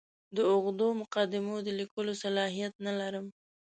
د اوږدو مقدمو د لیکلو صلاحیت نه لرم.